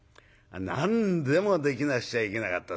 何でもできなくちゃいけなかったそう。